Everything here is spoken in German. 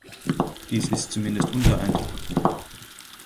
Dies ist zumindest unser Eindruck.